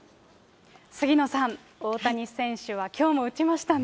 杉野さん、大谷選手はきょうも打ちましたね。